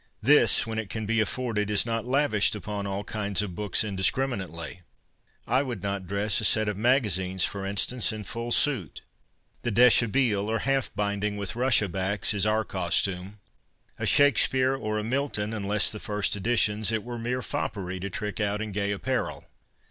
This, when it can be afforded, is not lavished upon all kinds of books indiscriminately. I would not dress a set of magazines, for instance, in full suit. The deshabille or half binding (with russia backs) is our costume. A Shakespeare or a Milton (unless the first editions) it were mere foppery to trick out in gay apparel.'